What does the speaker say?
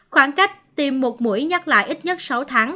khoảng cách tiêm một mũi nhắc lại ít nhất sáu tháng